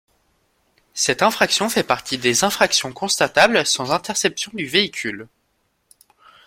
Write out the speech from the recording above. Cette infraction fait partie des infractions constatables sans interception du véhicule.